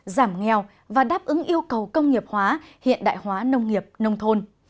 giảm nghèo và đáp ứng yêu cầu công nghiệp hóa hiện đại hóa nông nghiệp nông thôn